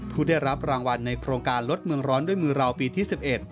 ผู้ได้รับรางวัลในโครงการลดเมืองร้อนด้วยมือเราปีที่๑๑